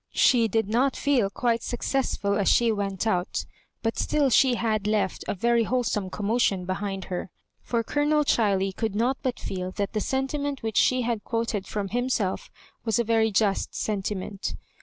She did not feel quite suc cessful as she went out ; but still she had left a very wholesome commotion behind her; for Colo nel Chiley could not but feel that the sentiment which she had quoted from himself was a very just sentiment.